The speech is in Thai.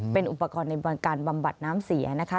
เป็นอุปกรณ์ในการบำบัดน้ำเสียนะคะ